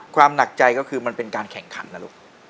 หนักใจก็คือมันเป็นการแข่งขันนะลูก